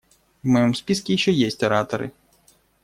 В моем списке еще есть ораторы.